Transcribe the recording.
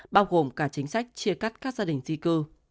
bao gồm cả chính sách chia cắt các gia đình di cư